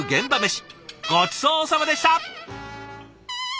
ごちそうさまでした！